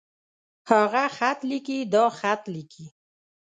هغۀ خط ليکي. دا خط ليکي.